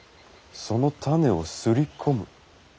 その種をすり込む。